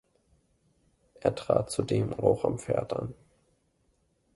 Er trat zudem auch am Pferd an.